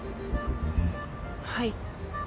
はい。